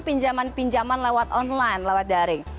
pinjaman pinjaman lewat online lewat daring